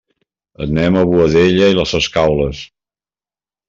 Anem a Boadella i les Escaules.